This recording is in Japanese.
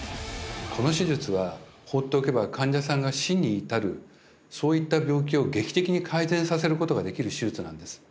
この手術は放っておけば患者は死に至るそういった病気を劇的に改善させることができる手術なんです。